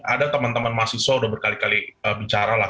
ada teman teman mahasiswa sudah berkali kali bicara lah